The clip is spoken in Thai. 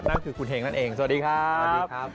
นั่นคือคุณห่ิงนั่นเองเจ้าสวัสดีครับ